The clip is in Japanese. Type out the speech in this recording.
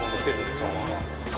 そのまま？